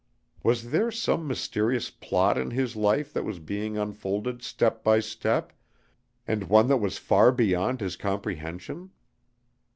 Was there some mysterious plot in his life that was being unfolded step by step, and one that was far beyond his comprehension?